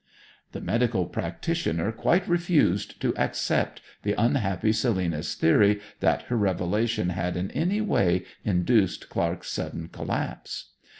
The medical practitioner quite refused to accept the unhappy Selina's theory that her revelation had in any way induced Clark's sudden collapse.